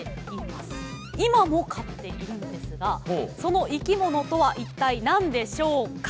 今も飼っているんですがその生き物とは一体何でしょうか？